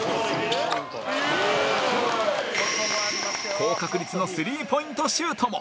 高確率のスリーポイントシュートも